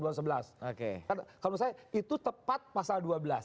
kalau misalnya itu tepat pasal dua belas